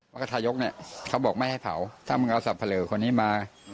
แล้วก็ทายกเนี่ยเขาบอกไม่ให้เผาถ้ามึงเอาสับเผลอคนนี้มา